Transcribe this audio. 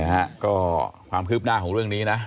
นะฮะก็ความคืบหน้าของเรื่องนี้นะ